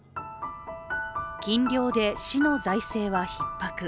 禁漁で市の財政はひっ迫。